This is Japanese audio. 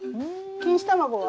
錦糸卵は？